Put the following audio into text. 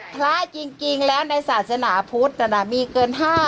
พระจริงแล้วในศาสนาพุทธนั้นมีเกิน๕